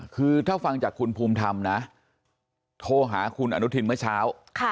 คือถ้าฟังจากคุณภูมิธรรมนะโทรหาคุณอนุทินเมื่อเช้า